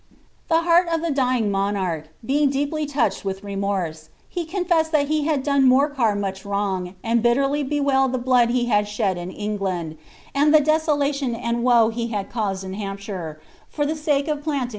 The heart of the dying monarch being deeply tonched with remorse, he confessed that he had done Morcar much MrroDg, and bitterly bewailed the blood he had shed in England, and the desolation and woe he had caused in Hampshire, for the sake of planting * Ordericus Viimlii.